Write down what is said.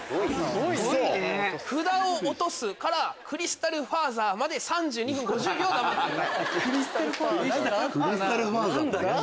ウソ⁉「札を落とす」から「クリスタルファーザー」まで３２分５０秒黙ってた。